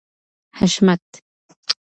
حشمت